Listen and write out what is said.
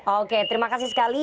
oke terima kasih sekali